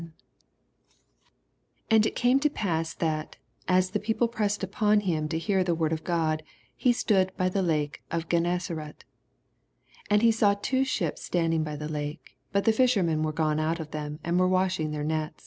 1 And it came to pam, that, as the people pressed npon him to hear the word or Gk>d, he stood by the lake of Gennesaret, 2 And saw two ships standing by the lake : but the fishermen were gone out of them, and were washing their neU